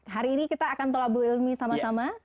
hari ini kita akan tolabul ilmi sama sama